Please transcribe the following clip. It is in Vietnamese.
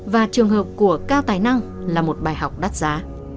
và trường hợp của cao tài năng là một bài học đắt giá